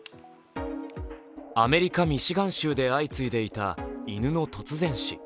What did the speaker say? アメリカ・ミシガン州で相次いでいた犬の突然死。